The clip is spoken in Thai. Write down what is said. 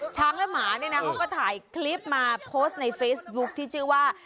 และหมาเนี่ยนะเขาก็ถ่ายคลิปมาโพสต์ในเฟซบุ๊คที่ชื่อว่า